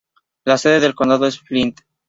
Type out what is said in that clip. La sede del condado es Flint.